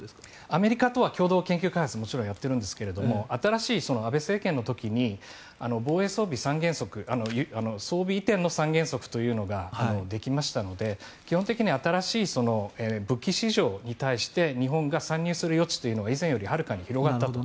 アメリカとは共同開発をもちろんやっているんですが新しい安倍政権の時に防衛装備３原則装備移転の３原則というのができましたので基本的に新しい武器市場に対して日本が参入する余地は以前よりはるかに広がったと。